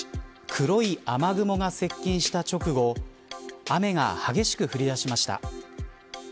黒い雨雲が接近した直後雨が激しく降りだしました。